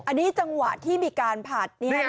อันนี้จังหวะที่มีการผัด